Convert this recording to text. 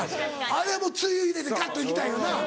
あれはもうつゆ入れてガッといきたいよな。